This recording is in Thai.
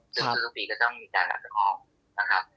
ซึ่งศูนย์ปีก็ต้องมีการรับของนะครับ